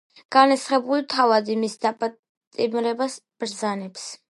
განრისხებული თავადი მის დაპატიმრებას ბრძანებს.